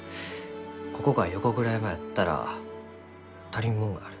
ここが横倉山やったら足りんもんがある。